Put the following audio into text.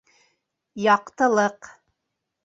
Яҡтылыҡ